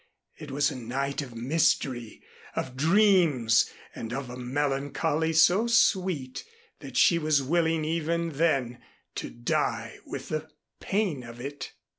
It was a night of mystery, of dreams and of a melancholy so sweet that she was willing even then to die with the pain of it.